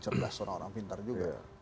cerdas orang orang pintar juga